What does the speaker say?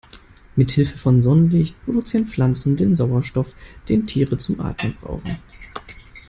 Mithilfe von Sonnenlicht produzieren Pflanzen den Sauerstoff, den Tiere zum Atmen brauchen.